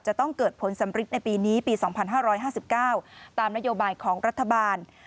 จะต้องเกิดผลสำริดในปีนี้ปี๒๕๕๙ตามนโยบายของรัฐบาล